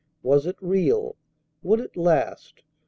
Was it real? Would it last?